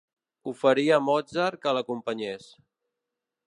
Oferí a Mozart que l'acompanyés.